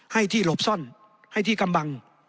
ให้ที่หลบซ่อนให้ที่กำบัง